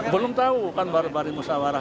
belum tahu kan bari musyawarah